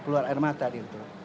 keluar air mata dia tuh